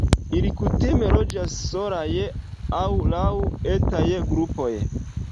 Ili kutime loĝas solaj aŭ laŭ etaj grupoj.